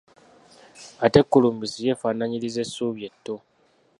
Ate kulumbisi yeefaanaanyiriza essubi etto.